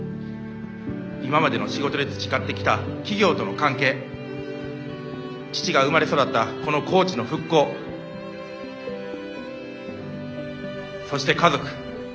今までの仕事で培ってきた企業との関係父が生まれ育ったこの高知の復興そして家族。